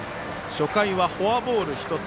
初回はフォアボール１つ。